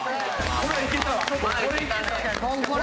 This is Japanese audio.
これはいけたね。